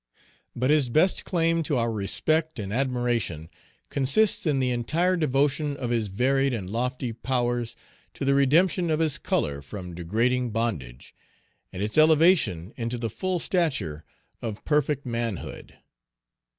But his best claim to our respect and admiration consists in the entire devotion of his varied and lofty powers to the redemption of his color from degrading bondage, and its elevation into the full stature of perfect manhood.